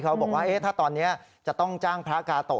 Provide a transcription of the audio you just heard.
เขาบอกว่าถ้าตอนนี้จะต้องจ้างพระกาโตะ